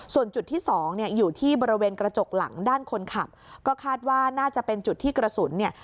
ส่วนจุดที่สองเนี่ยอยู่ที่บริเวณกระจกหลังด้านคนขับก็คาดว่าน่าจะเป็นจุดที่กระสุนเนี่ย